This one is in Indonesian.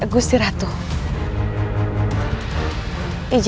berdua berdua pakut nami